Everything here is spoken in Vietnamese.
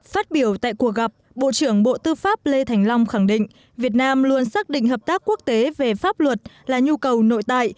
phát biểu tại cuộc gặp bộ trưởng bộ tư pháp lê thành long khẳng định việt nam luôn xác định hợp tác quốc tế về pháp luật là nhu cầu nội tại